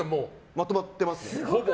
まとまってます。